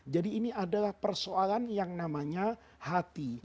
jadi ini adalah persoalan yang namanya hati